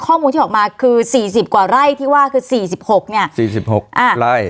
ข้อมูลที่ออกมาคือสี่สิบกว่าไร่ที่ว่าคือสี่สิบหกเนี่ยสี่สิบหกอ่าไร่